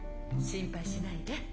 心配しないで。